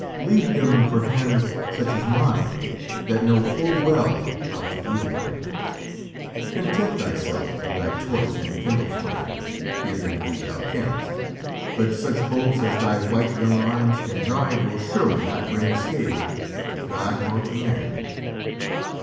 "Leave them for hands such as mine, that know full well how to wield them. Content thyself with thy torch, and kindle flames, if indeed thou canst, but such bolts as thy white young arms can drive will surely not bring scathe to god nor to man."